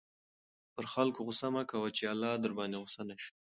پر خلکو غصه مه کوه چې اللهﷻ درباندې غصه نه شي.